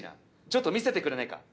ちょっと見せてくれないか？